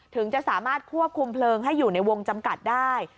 ถึงจะสามารถควบคุมเพลิงให้อยู่ในวงจำกัดได้